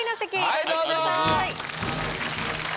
はいどうぞ。